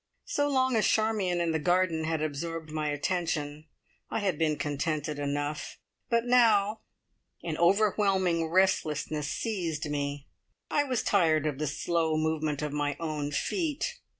So long as Charmion and the garden had absorbed my attention I had been contented enough, but now an overwhelming restlessness seized me. I was tired of the slow movement of my own feet.